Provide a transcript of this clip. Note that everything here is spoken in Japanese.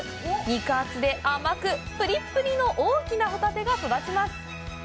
肉厚で甘く、プリップリの大きなホタテが育ちます。